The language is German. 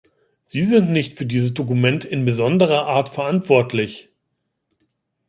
Sie sind nicht für dieses Dokument in besonderer Art verantwortlich.